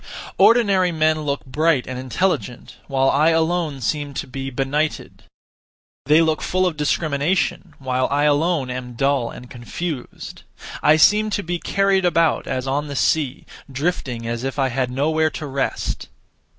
Ordinary men look bright and intelligent, while I alone seem to be benighted. They look full of discrimination, while I alone am dull and confused. I seem to be carried about as on the sea, drifting as if I had nowhere to rest.